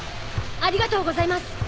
ありがとうございます。